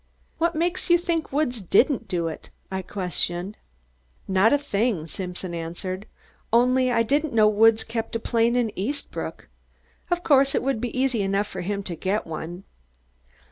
"What makes you think Woods didn't do it?" I questioned. "Not a thing," Simpson answered, "only I didn't know Woods kept a plane in Eastbrook. Of course, it would be easy enough for him to get one.